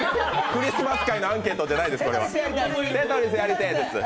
クリスマス会のアンケートじゃないです。